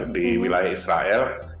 di wilayah israel